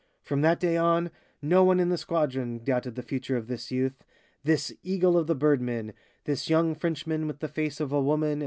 From that day, no one in the squadron doubted the future of this youth, "this eagle of the birdmen, this young Frenchman with the face of a woman and the heart of a lion."